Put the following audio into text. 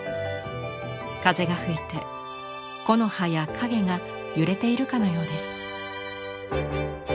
風が吹いて木の葉や影が揺れているかのようです。